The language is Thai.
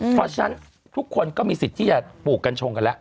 เพราะฉะนั้นทุกคนก็มีสิทธิ์ที่จะปลูกกัญชงกันแล้ว